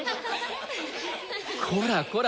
こらこら